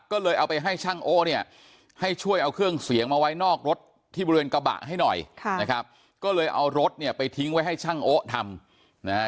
ก็เลยเอาไปให้ช่างโอ๊เนี่ยให้ช่วยเอาเครื่องเสียงมาไว้นอกรถที่บริเวณกระบะให้หน่อยนะครับก็เลยเอารถเนี่ยไปทิ้งไว้ให้ช่างโอ๊ทำนะฮะ